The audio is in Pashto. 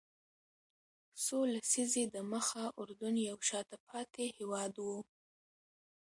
څو لسیزې دمخه اردن یو شاته پاتې هېواد و.